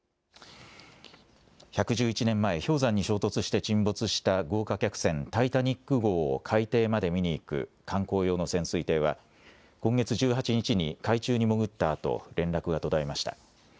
１１１年前、氷山に衝突して沈没した豪華客船タイタニック号を海底まで見に行く観光用の潜水艇は今月１８日に海中に潜ったあと連絡が途絶えました。